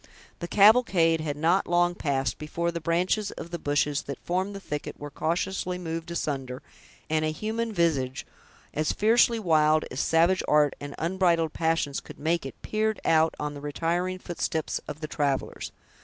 The cavalcade had not long passed, before the branches of the bushes that formed the thicket were cautiously moved asunder, and a human visage, as fiercely wild as savage art and unbridled passions could make it, peered out on the retiring footsteps of the travelers.